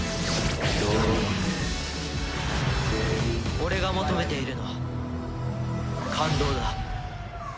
俺が求めているのは感動だ。